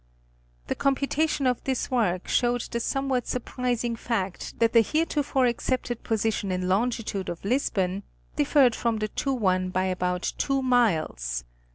The computation of this work, showed the somewhat surprising fact that the heretofore accepted position in longitude of Lisbon, differed from the true one by about two miles.